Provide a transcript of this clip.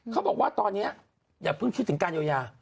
เขาบอกว่าตอนนี้อย่าเพิ่งคิดถึงการเยียวยา